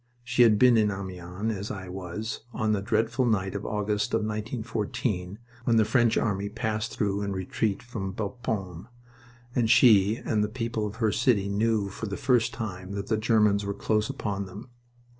She had been in Amiens, as I was, on a dreadful night of August of 1914, when the French army passed through in retreat from Bapaume, and she and the people of her city knew for the first time that the Germans were close upon them.